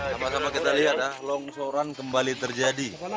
sama sama kita lihat ya longsoran kembali terjadi